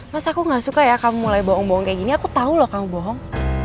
mas aku gak suka ya kamu mulai bawang bawang kayak gini aku tau loh kamu bohong